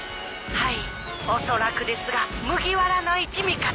はいおそらくですが麦わらの一味かと。